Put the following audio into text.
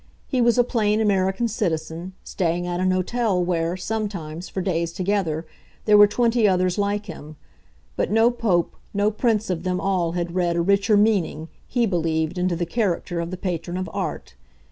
He was a plain American citizen, staying at an hotel where, sometimes, for days together, there were twenty others like him; but no Pope, no prince of them all had read a richer meaning, he believed, into the character of the Patron of Art.